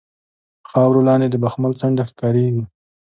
خاورو لاندې د بخمل څنډه ښکاریږي